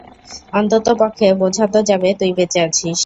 অন্ততপক্ষে বোঝা তো যাবে তুই বেঁচে আছিস।